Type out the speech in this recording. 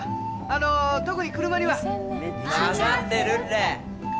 あの特に車には分かってるって